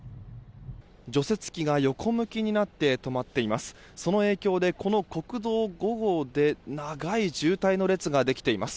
除雪機が横向きになって止まっています。